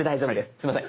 すいません。